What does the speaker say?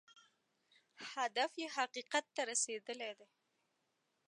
هدف یې حقیقت ته رسېدل دی.